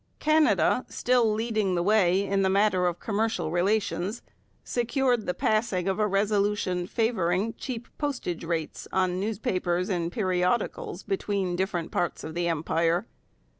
Canada, still leading the way in the matter of commercial relations, secured the passing of a resolution favouring cheap postage rates on newspapers and periodicals between different parts of the Empire.